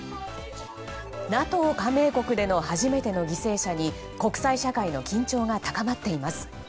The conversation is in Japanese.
ＮＡＴＯ加盟国での初めての犠牲者に国際社会の緊張が高まっています。